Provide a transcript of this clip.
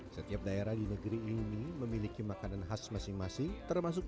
setiap daerah di negeri ini memiliki makanan khas masing masing termasuk